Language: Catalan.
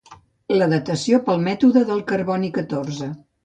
La datació pel mètode del carboni catorze.